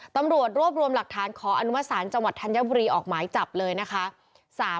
ตำรวจรวบรวมหลักฐานขออนุมสารจังหวัดธัญบุรีออกหมายจับเลยนะคะ